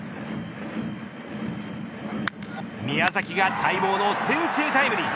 宮崎が待望の先制タイムリー。